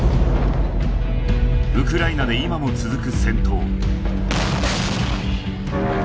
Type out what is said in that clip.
ウクライナで今も続く戦闘